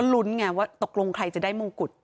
ลุ้นไงว่าตกลงใครจะได้มงกุฎ